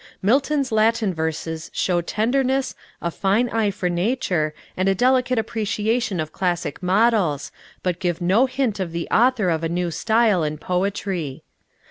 Milton's Latin verses show tenderness, a fine eye for nature, and a delicate appreciation of classic models, but give no hint of the author of a new style in poetry.